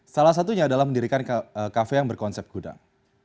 salah satunya adalah mendirikan kafe yang berkonsep gudang